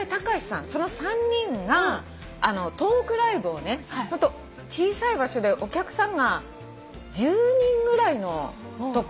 その３人がトークライブをねホント小さい場所でお客さんが１０人ぐらいの所。